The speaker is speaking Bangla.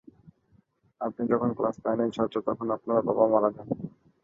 আপনি যখন ক্লাস নাইনের ছাত্র তখন আপনার বাবা মারা যান।